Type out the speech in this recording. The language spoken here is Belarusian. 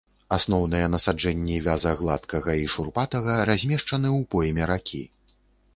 Асноўныя насаджэнні вяза гладкага і шурпатага размешчаны ў пойме ракі.